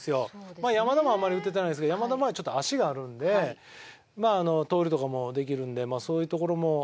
まあ山田もあんまり打ててないですけど山田はまだちょっと足があるんで盗塁とかもできるんでそういうところも。